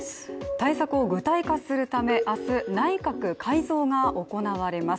対策を具体化するため明日、内閣改造が行われます。